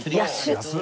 安い！